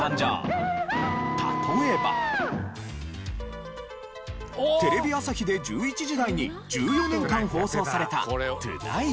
例えば。テレビ朝日で１１時台に１４年間放送された『トゥナイト』。